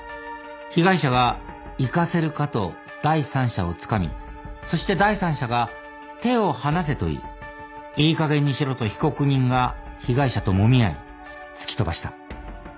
被害者が「行かせるか」と第三者をつかみそして第三者が「手を離せ」と言い「いいかげんにしろ」と被告人が被害者ともみ合い突き飛ばした。